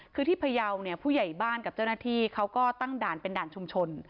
คือที่พยาวเนี่ยผู้ใหญ่บ้านกับเจ้าหน้าที่เขาก็ตั้งด่านเป็นด่านชุมชน